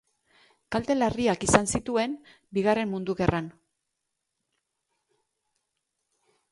Kalte larriak izan zituen Bigarren Mundu Gerran.